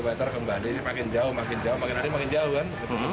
dua meter kembali makin jauh makin jauh makin hari makin jauh kan